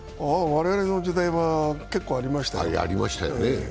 我々の時代は結構ありましたよ。